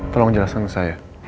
tolong jelasin ke saya